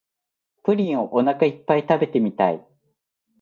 プリンをおなかいっぱい食べてみたい